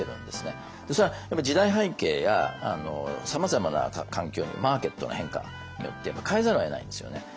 それは時代背景やさまざまな環境マーケットの変化によって変えざるをえないんですよね。